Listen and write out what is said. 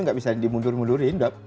enggak bisa dimundur mundurin enggak